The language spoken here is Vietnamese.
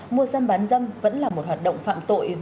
mua dâm bán dâm vẫn là một hoạt động phạm tội